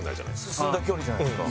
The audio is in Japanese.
進んだ距離じゃないですか。